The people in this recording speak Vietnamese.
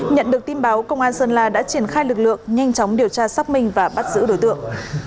nhận được tin báo công an sơn la đã triển khai lực lượng nhanh chóng điều tra xác minh và bắt giữ đối tượng